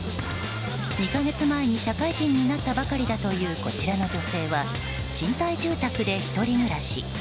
２か月前に社会人になったばかりだというこちらの女性は賃貸住宅で１人暮らし。